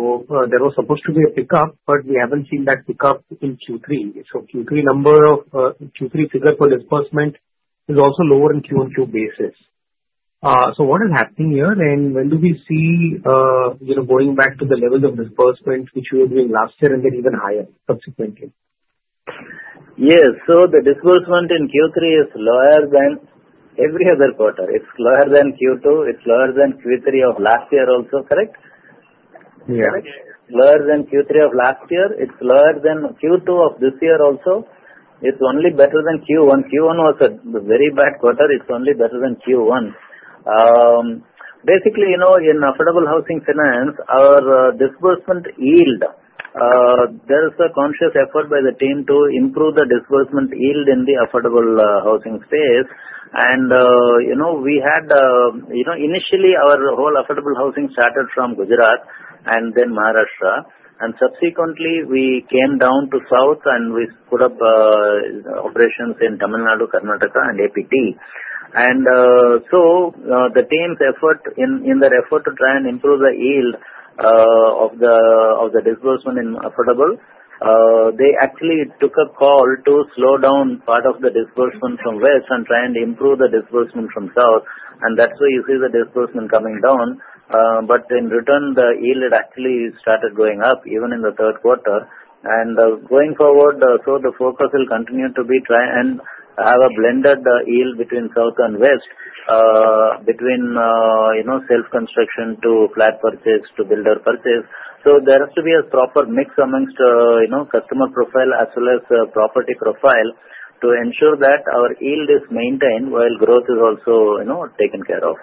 there was supposed to be a pickup, but we haven't seen that pickup in Q3. So Q3 number or Q3 figure for disbursement is also lower in Q-on-Q basis. So what is happening here, and when do we see going back to the levels of disbursement which we were doing last year and then even higher subsequently? Yes. So the disbursement in Q3 is lower than every other quarter. It's lower than Q2. It's lower than Q3 of last year also, correct? Yeah. Lower than Q3 of last year. It's lower than Q2 of this year also. It's only better than Q1. Q1 was a very bad quarter. It's only better than Q1. Basically, in Affordable Housing Finance, our disbursement yield, there is a conscious effort by the team to improve the disbursement yield in the Affordable Housing space. We had initially our whole Affordable Housing started from Gujarat and then Maharashtra. Subsequently, we came down to south, and we put up operations in Tamil Nadu, Karnataka, and AP, T. The team's effort, in their effort to try and improve the yield of the disbursement in affordable, they actually took a call to slow down part of the disbursement from west and try and improve the disbursement from south. That's why you see the disbursement coming down. But in return, the yield actually started going up even in the third quarter. And going forward, so the focus will continue to be try and have a blended yield between south and west, between self-construction to flat purchase to builder purchase. So there has to be a proper mix amongst customer profile as well as property profile to ensure that our yield is maintained while growth is also taken care of.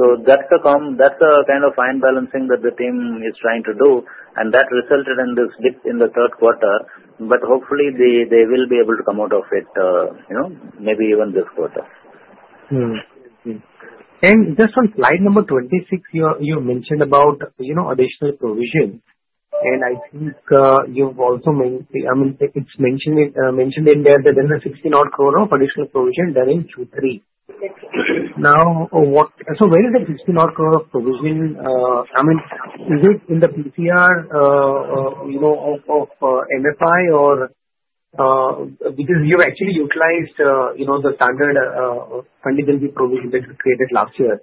So that's a kind of fine balancing that the team is trying to do, and that resulted in this dip in the third quarter. But hopefully, they will be able to come out of it maybe even this quarter. And just on slide number 26, you mentioned about additional provision, and I think you've also mentioned it's mentioned in there that there's a 16-odd-crore of additional provision done in Q3. Now, so where is the 16-odd-crore of provision? I mean, is it in the PCR of MFI or because you've actually utilized the standard funding provision that you created last year?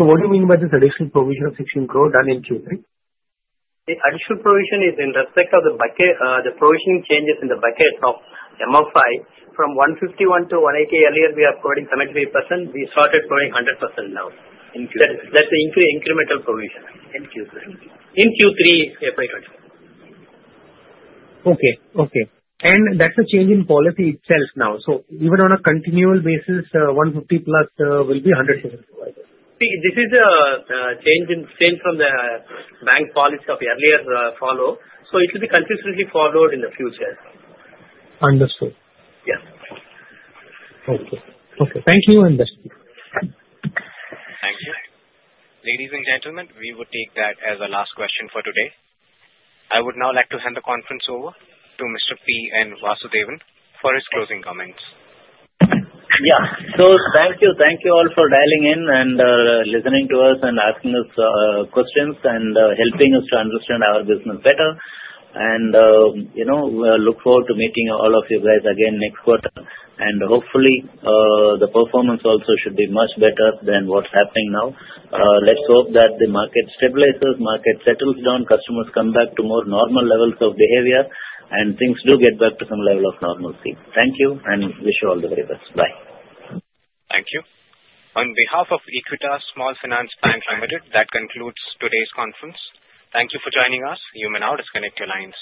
So what do you mean by this additional provision of 16 crore done in Q3? The additional provision is in respect of the provision changes in the buckets of MFI from 151 to 180. Earlier, we were quoting 73%. We started quoting 100% now. That's the incremental provision in Q3, FY 2024. That's a change in policy itself now. Even on a continual basis, 150 plus crore will be 100%. See, this is a change from the bank policy of earlier follow. So it will be consistently followed in the future. Understood. Yeah. Okay. Okay. Thank you, investors. Thank you. Ladies and gentlemen, we will take that as our last question for today. I would now like to hand the conference over to Mr. P. N. Vasudevan for his closing comments. Yeah. So thank you. Thank you all for dialing in and listening to us and asking us questions and helping us to understand our business better. And we look forward to meeting all of you guys again next quarter. And hopefully, the performance also should be much better than what's happening now. Let's hope that the market stabilizes, market settles down, customers come back to more normal levels of behavior, and things do get back to some level of normalcy. Thank you and wish you all the very best. Bye. Thank you. On behalf of Equitas Small Finance Bank Limited, that concludes today's conference. Thank you for joining us. You may now disconnect your lines.